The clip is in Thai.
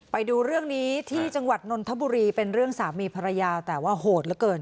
ไปดูเรื่องนี้ที่จังหวัดนนทบุรีเป็นเรื่องสามีภรรยาแต่ว่าโหดเหลือเกิน